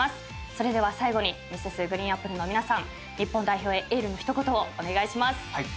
それでは最後にＭｒｓ．ＧＲＥＥＮＡＰＰＬＥの皆さん日本代表へエールの一言をお願いします。